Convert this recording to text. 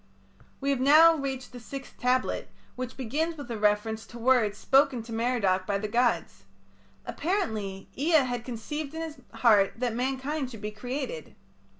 We have now reached the sixth tablet, which begins with a reference to words spoken to Merodach by the gods. Apparently Ea had conceived in his heart that mankind should be created.